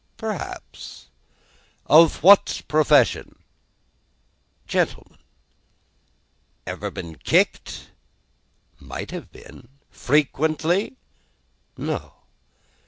Perhaps. Of what profession? Gentleman. Ever been kicked? Might have been. Frequently? No.